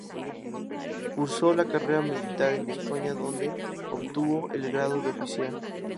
Cursó la carrera militar en España, donde obtuvo el grado de oficial.